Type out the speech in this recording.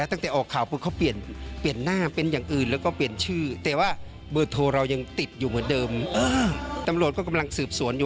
เออถ้าเขาถึงขนาดสร้างโปรไฟล์สรรค์สร้างเฟซบุ๊กได้